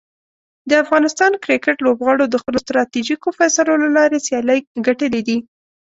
د افغانستان کرکټ لوبغاړو د خپلو ستراتیژیکو فیصلو له لارې سیالۍ ګټلي دي.